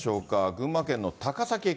群馬県の高崎駅